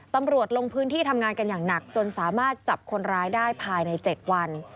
ตำรวจลงพื้นที่ทำงานกันอย่างหนักจนสามารถจับคนร้ายได้ภายใน๗วัน